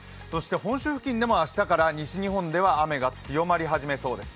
本州付近でも明日から西日本方面で雨が強まることになりそうです。